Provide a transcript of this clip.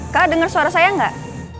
kak denger suara saya gak